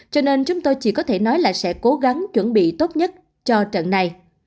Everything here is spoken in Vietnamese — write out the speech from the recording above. cho nên chúng tôi chỉ có thể nói là sẽ cố gắng chuẩn bị tốt nhất cho trận này